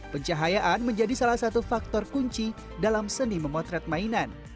pencahayaan menjadi salah satu faktor kunci dalam seni memotret mainan